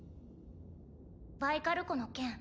バイカル湖の件